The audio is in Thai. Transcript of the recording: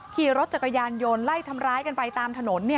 ขี่รถจักรยานยนต์ไล่ทำร้ายกันไปตามถนน